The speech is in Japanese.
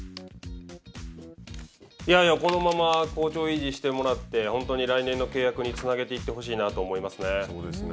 このまま好調を維持してもらって本当に来年の契約につなげていってほしいなと思いますね。